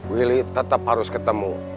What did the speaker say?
willy tetap harus ketemu